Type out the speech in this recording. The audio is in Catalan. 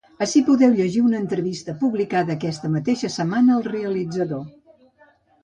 Ací podeu llegir una entrevista publicada aquesta mateixa setmana al realitzador.